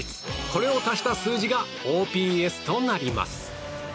これを足した数字がＯＰＳとなります。